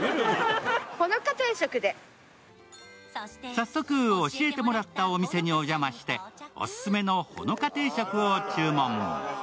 早速、教えてもらったお店にお邪魔してオススメの穂の香定食を注文。